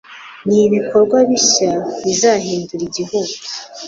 n'ibikorwa bishya bizahindura igihugu